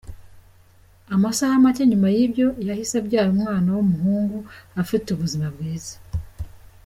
Amasaha make nyuma y’ibyo yahise abyara umwana w’umuhungu ufite ubuzima bwiza.